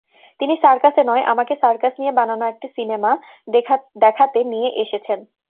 তিনি সার্কাসে নয়, আমাকে সার্কাস নিয়ে বানানো একটি সিনেমা দেখাতে নিয়ে এসেছেন।